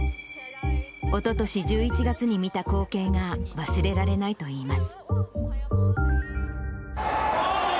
おととし１１月に見た光景が、忘れられないといいます。